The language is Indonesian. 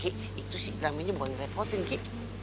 ki itu sih mba be nya bukan ngerepotin ki